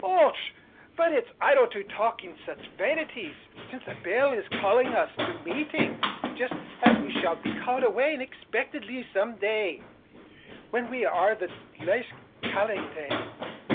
Och! but it's idle to talk of sich vanities, while the bell is calling us to mateing jist as we shall be called away unexpictedly some day, when we are the laist calkilating.